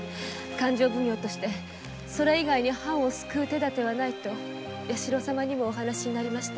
勘定奉行としてそれ以外に藩を救う手立てはないと弥四郎様にもお話になりました。